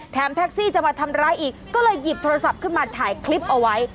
แท็กซี่จะมาทำร้ายอีกก็เลยหยิบโทรศัพท์ขึ้นมาถ่ายคลิปเอาไว้